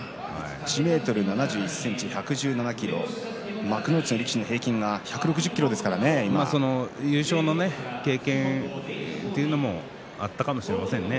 １ｍ７１ｃｍ１１７ｋｇ幕内力士の平均が優勝の経験というのもあったかもしれませんね